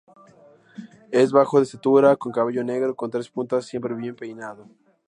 Es bajo de estatura, con cabello negro con tres puntas siempre bien peinado.